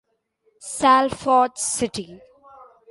Salford City